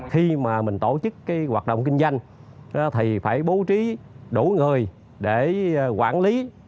khi mà mình tổ chức cái hoạt động kinh doanh thì phải bố trí đủ người để quản lý